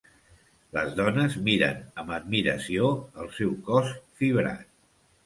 Les dones miren amb admiració el seu cos fibrat.